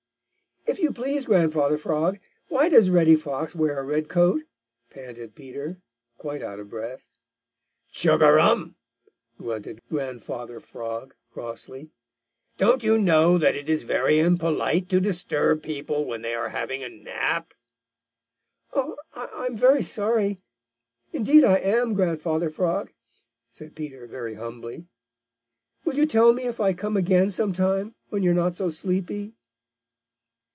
"If you please, Grandfather Frog, why does Reddy Fox wear a red coat?" panted Peter, quite out of breath. "Chug a rum!" grunted Grandfather Frog crossly. "Don't you know that it is very impolite to disturb people when they are having a nap?" "I I'm very sorry. Indeed I am, Grandfather Frog," said Peter very humbly. "Will you tell me if I come again some time when you are not so sleepy?"